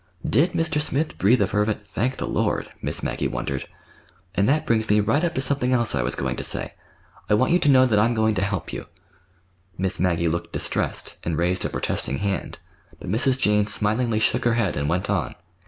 (DID Mr. Smith breathe a fervent "Thank the Lord!" Miss Maggie wondered.) "And that brings me right up to something else I was going to say. I want you to know that I'm going to help you." Miss Maggie looked distressed and raised a protesting hand; but Mrs. Jane smilingly shook her head and went on.